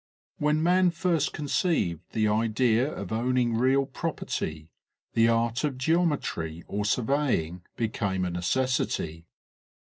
When man first conceived the idea of owning real property the art of geometry or surveying became a necessity.